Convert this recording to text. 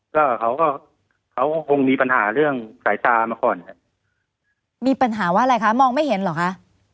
ก็เขาก็เขาคงมีปัญหาเรื่องสายตามาก่อนครับมีปัญหาว่าอะไรคะมองไม่เห็นเหรอคะ